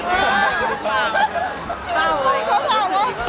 ปิ๊ะว่าทำอย่างดี